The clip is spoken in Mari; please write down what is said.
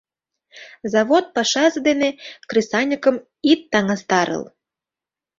— Завод пашазе дене кресаньыкым ит таҥастарыл.